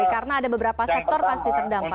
karena ada beberapa sektor pasti terdampak